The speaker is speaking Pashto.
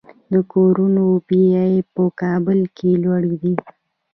د کورونو بیې په کابل کې لوړې دي